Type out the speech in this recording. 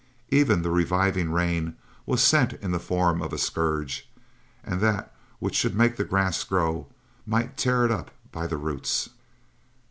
Even the reviving rainfall was sent in the form of a scourge; and that which should make the grass grow might tear it up by the roots.